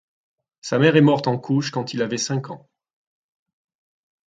Sa mère est morte en couches quand il avait cinq ans.